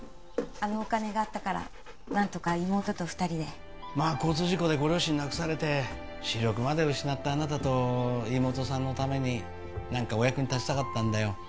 あのお金があったから何とか妹と二人でまあ交通事故でご両親亡くされて視力まで失ったあなたと妹さんのために何かお役に立ちたかったんだよ